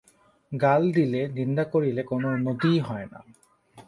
গাল দিলে, নিন্দা করিলে কোন উন্নতিই হয় না।